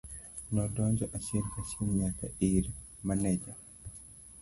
Nodonjo achiel kachiel nyaka ir maneja.